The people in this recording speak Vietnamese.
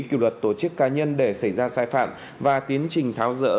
kỷ luật tổ chức cá nhân để xảy ra sai phạm và tiến trình tháo rỡ